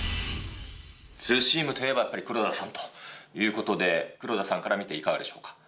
ツーシームといえば、やっぱり黒田さんということで、黒田さんから見て、いかがでしょうか。